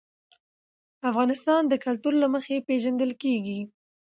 افغانستان د کلتور له مخې پېژندل کېږي.